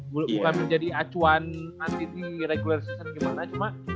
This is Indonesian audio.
bukan menjadi acuan nanti di regular season gimana cuma